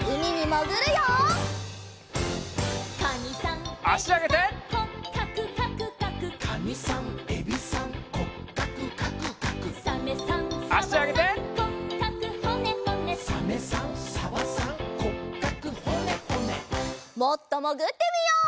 もっともぐってみよう！